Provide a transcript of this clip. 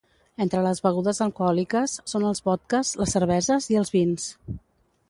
Entre les begudes alcohòliques, són els vodkes, les cerveses i els vins.